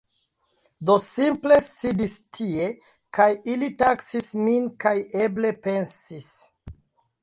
Do ni simple sidis tie kaj ili taksis min, kaj eble pensis: